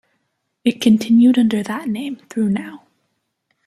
It continued under that name through now.